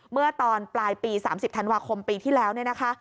เมื่อตอนปลายปี๓๐ธันวาคมปีที่แล้ว